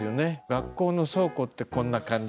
学校の倉庫ってこんな感じ。